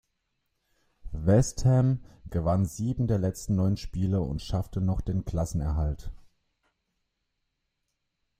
West Ham gewann sieben der letzten neun Spiele und schaffte noch den Klassenerhalt.